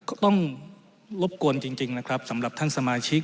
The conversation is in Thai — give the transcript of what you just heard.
ก็ต้องรบกวนจริงนะครับสำหรับท่านสมาชิก